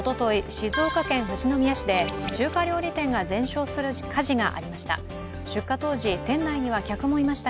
静岡県富士宮市で中華料理店が全焼する火事がありました。